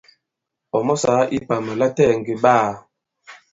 Ɔ̀ mɔ sāā ipàmà latɛɛ̀ ŋgè ɓaā.